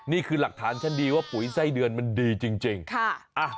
นี่คือหลักฐานชั้นดีว่าปุ๋ยไส้เดือนมันดีจริงค่ะ